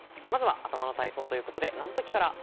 まずは頭の体操ということで謎解きから。